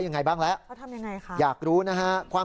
อย่างไรบ้างล่ะอยากรู้นะครับก็ทำอย่างไร